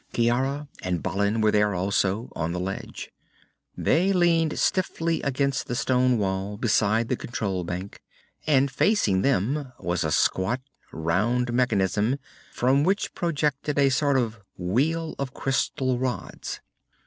Ciara and Balin were there also, on the ledge. They leaned stiffly against the stone wall beside the control bank, and facing them was a squat, round mechanism from which projected a sort of wheel of crystal rods.